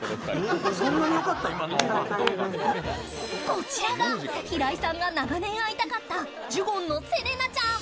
こちらが平井さんが長年会いたかったジュゴンのセレナちゃん。